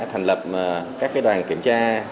thành lập các đoàn kiểm tra